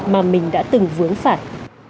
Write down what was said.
mà mình đã từng vướng phải